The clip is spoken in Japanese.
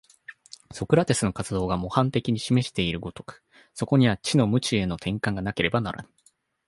ソクラテスの活動が模範的に示している如く、そこには知の無知への転換がなければならぬ。